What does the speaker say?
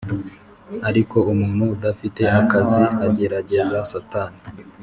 ariko umuntu udafite akazi agerageza satani